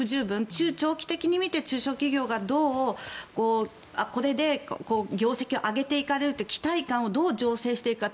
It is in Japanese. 中長期的に見て中小企業がこれで業績を上げていかれるという期待感をどう醸成していけるか。